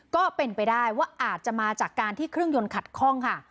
ก็เป็นไปได้ว่าอาจจะมาจากการที่เครื่องยนต์ขัดข้องค่ะ